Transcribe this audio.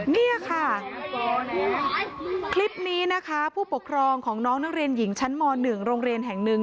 นี่ค่ะคลิปนี้นะคะผู้ปกครองของน้องนักเรียนหญิงชั้นม๑โรงเรียนแห่งหนึ่ง